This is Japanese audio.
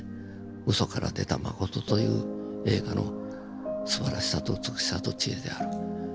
ウソから出たマコトという映画のすばらしさと美しさと知恵である。